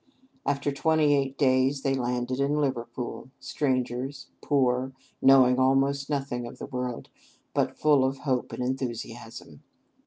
After twenty eight days they landed in Liverpool, strangers, poor, knowing almost nothing of the world, but full of hope and enthusiasm.